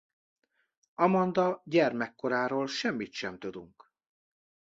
Amanda gyermekkoráról semmit sem tudunk.